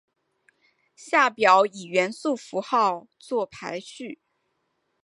下表以元素符号作排序。